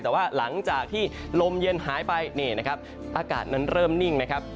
แต่ว่าหลังจากที่ลมเย็นหายไปนี่นะครับอากาศนั้นเริ่มนิ่งนะครับ